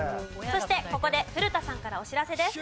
そしてここで古田さんからお知らせです。